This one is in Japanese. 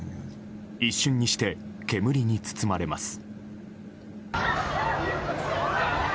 一瞬にして煙に包まれます。